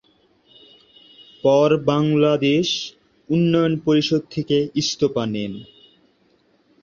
পর বাংলাদেশ উন্নয়ন পরিষদ থেকে ইস্তফা নেন।